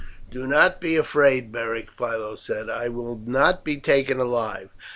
"Do not be afraid, Beric," Philo said; "I will not be taken alive.